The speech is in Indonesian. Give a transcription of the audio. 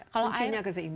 kunci nya keseimbangan